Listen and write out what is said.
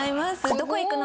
「どこ行くの？」